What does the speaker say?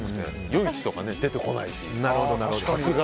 夜市とか出てこないし。